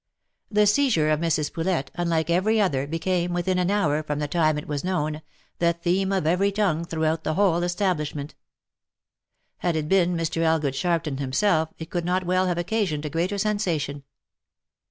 The seizure of Mrs. Poulet, unlike every other, became, within an hour, from the time it was known, the theme of every tongue throughout the whole establishment. Had it been Mr. Elgood Sharpton himself it could not well have occasioned a greater sensation.